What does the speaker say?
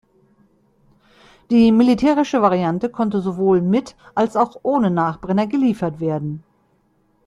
Die militärische Variante konnte sowohl mit als auch ohne Nachbrenner geliefert werden.